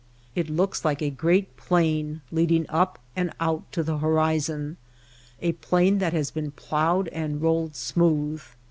It looks like a great plain leading up and out to the horizon — a plain that has been ploughed and rolled smooth.